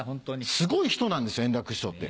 すごい人なんです円楽師匠って。